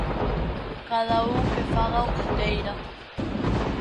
Cada un que faga o que queira.